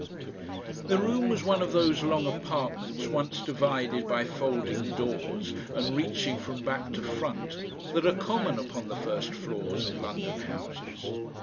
The room was one of those long apartments once divided by folding doors, and reaching from back to front, that are common upon the first floors of London houses.